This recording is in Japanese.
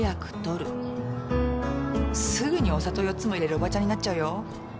すぐにお砂糖４つも入れるおばちゃんになっちゃうよ。